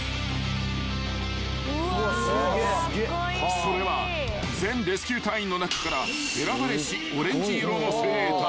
［それは全レスキュー隊員の中から選ばれしオレンジ色の精鋭たち］